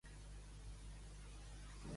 Fins quan va tenir culte?